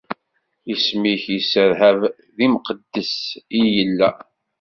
Isem-ik yesserhaben, d imqeddes i yella!